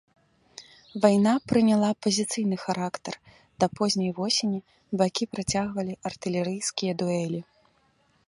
Вайна прыняла пазіцыйны характар, да позняй восені бакі працягвалі артылерыйскія дуэлі.